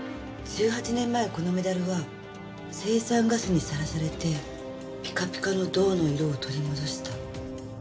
１８年前このメダルは青酸ガスにさらされてピカピカの銅の色を取り戻した。